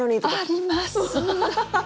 あります！